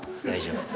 大丈夫。